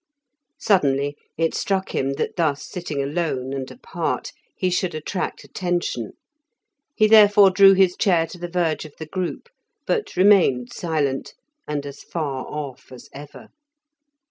Suddenly it struck him that thus sitting alone and apart, he should attract attention; he, therefore, drew his chair to the verge of the group, but remained silent, and as far off as ever.